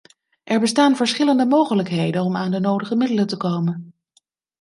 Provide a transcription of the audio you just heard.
Er bestaan verschillende mogelijkheden om aan de nodige middelen te komen.